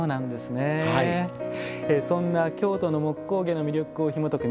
そんな「京都の木工芸」の魅力をひもとく